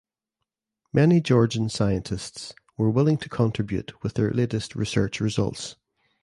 Many Georgian scientists were willing to contribute with their latest research results.